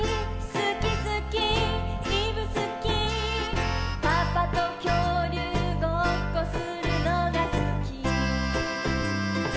「すきすきいぶすき」「パパときょうりゅうごっこするのがすき」